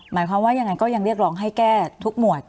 หมายความว่ายังไงก็ยังเรียกร้องให้แก้ทุกหมวด